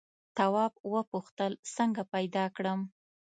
تواب وپوښتل څنګه پیدا کړم.